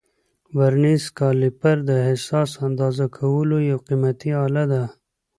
ورنیز کالیپر د حساس اندازه کولو یو قیمتي آله ده.